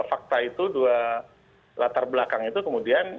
fakta itu dua latar belakang itu kemudian